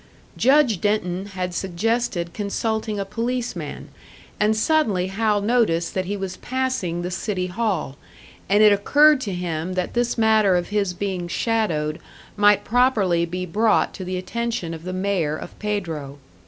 Judge Denton had suggested consulting a policeman; and suddenly Hal noticed that he was passing the City Hall, and it occurred to him that this matter of his being shadowed might properly be brought to the attention of the mayor of Pedro.